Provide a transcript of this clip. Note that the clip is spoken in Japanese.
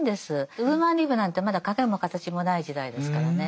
ウーマンリブなんてまだ影も形もない時代ですからね。